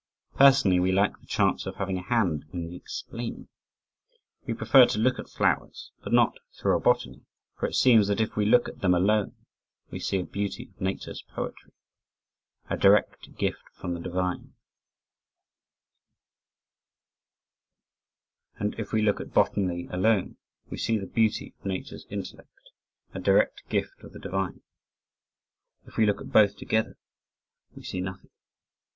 Personally we like the chance of having a hand in the "explaining." We prefer to look at flowers, but not through a botany, for it seems that if we look at them alone, we see a beauty of Nature's poetry, a direct gift from the Divine, and if we look at botany alone, we see the beauty of Nature's intellect, a direct gift of the Divine if we look at both together, we see nothing.